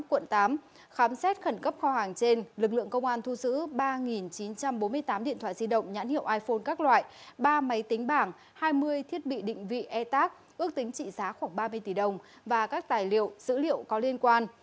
khám xét khẩn cấp kho hàng trên lực lượng công an thu giữ ba chín trăm bốn mươi tám điện thoại di động nhãn hiệu iphone các loại ba máy tính bảng hai mươi thiết bị định vị e tac ước tính trị giá khoảng ba mươi tỷ đồng và các tài liệu dữ liệu có liên quan